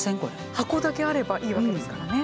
箱だけあればいいわけですからね。